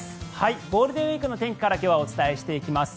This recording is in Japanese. ゴールデンウィークの天気から今日はお伝えしていきます。